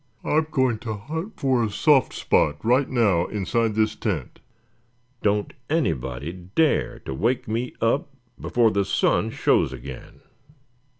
I'm going to hunt for a soft spot right now inside this tent. Don't anybody dare to wake me up before the sun shows again."